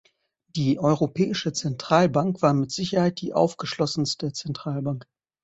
Die Europäische Zentralbank war mit Sicherheit die aufgeschlossenste Zentralbank.